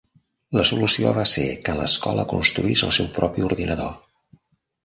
La solució va ser que l'Escola construís el seu propi ordinador.